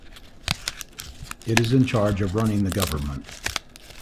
It is in charge of running the government.